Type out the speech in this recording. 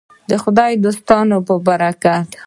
د خدای دوستانو په برکت.